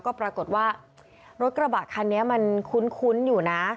ก็ปรากฏว่ารถกระบะคันนี้มันคุ้นอยู่นะ